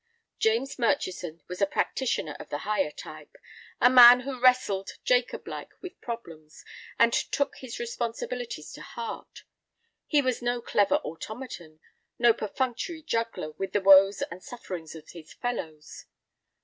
James Murchison was a practitioner of the higher type, a man who wrestled Jacob like with problems, and took his responsibilities to heart. He was no clever automaton, no perfunctory juggler with the woes and sufferings of his fellows.